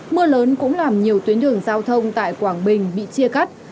mưa lớn cũng làm nhiều tuyến đường giao thông tại quảng bình bị chia cắt